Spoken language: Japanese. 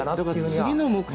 次の目標